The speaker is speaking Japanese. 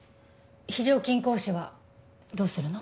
非常勤講師はどうするの？